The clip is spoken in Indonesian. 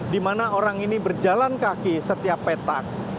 dimana orang ini berjalan kaki setiap petak